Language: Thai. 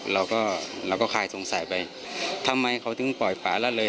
เราก็เราก็คลายสงสัยไปทำไมเขาถึงปล่อยป่าละเลย